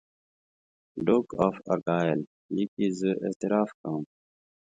ډوک آف ارګایل لیکي زه اعتراف کوم.